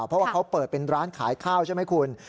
เพราะว่าเขาเปิดเป็นร้านขายข้าวใช่ไหมคุณ